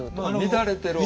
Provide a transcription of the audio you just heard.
乱れてる音。